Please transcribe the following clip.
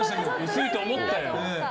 薄いと思ったよ。